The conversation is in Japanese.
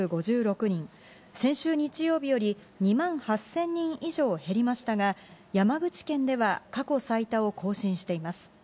先週日曜日より２万８０００人以上減りましたが、山口県では過去最多を更新しています。